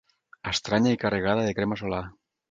Estranya i carregada de crema solar.